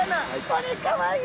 これかわいい。